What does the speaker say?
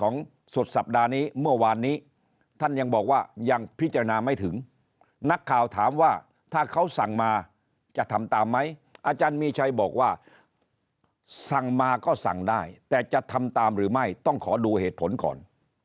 นาไม่ถึงนักข่าวถามว่าถ้าเขาสั่งมาจะทำตามไหมอาจารย์มีชัยบอกว่าสั่งมาก็สั่งได้แต่จะทำตามหรือไม่ต้องขอดูเหตุผลก่อน